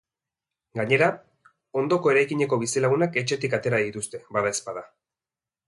Gainera, ondoko eraikineko bizilagunak etxetik atera dituzte, badaezpada.